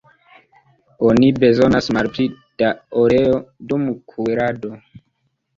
Oni bezonas malpli da oleo dum kuirado.